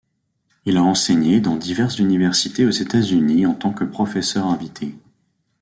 Il a enseigné dans diverses universités aux États-Unis en tant que professeur invité.